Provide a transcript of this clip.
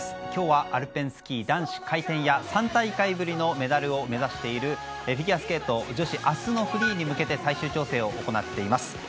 今日はアルペンスキー男子回転や３大会ぶりのメダルを目指しているフィギュアスケート女子明日のフリーに向けて最終調整を行っています。